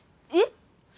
えっ？